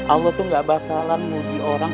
allah tuh gak bakalan ngudi orang